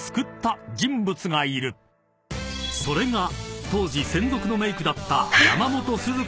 ［それが当時専属のメークだった］